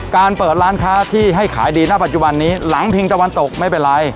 การเปิดร้านค้าที่ให้ขายดีณปัจจุบันนี้หลังพิงตะวันตกไม่เป็นไร